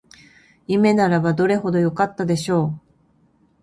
夢ならばどれほどよかったでしょう